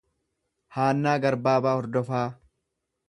Haannaa Garbaabaa Hordofaa